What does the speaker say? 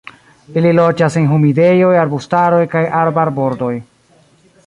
Ili loĝas en humidejoj, arbustaroj kaj arbarbordoj.